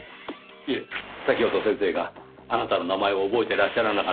いえ先ほど先生があなたの名前を覚えてらっしゃらなかったので。